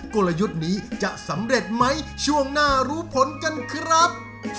กลยุทธ์นี้จะสำเร็จไหมช่วงหน้ารู้ผลกันครับ